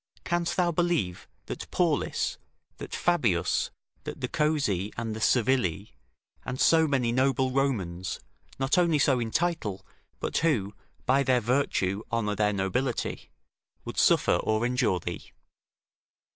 Canst thou believe that Paulus, that Fabius, that the Cossii and the Servilii, and so many noble Romans, not only so in title, but who by their virtue honour their nobility, would suffer or endure thee?"